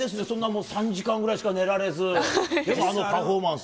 そんなもう３時間ぐらいしか寝られず。